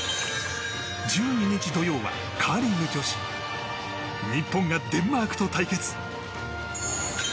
１２日土曜はカーリング女子日本がデンマークと対決。